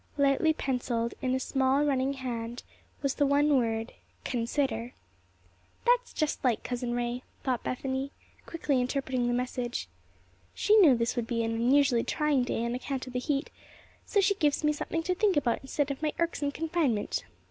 Lightly penciled, in a small, running hand, was the one word "Consider!" "That's just like Cousin Ray," thought Bethany, quickly interpreting the message. "She knew this would be an unusually trying day on account of the heat, so she gives me something to think about instead of my irksome confinement.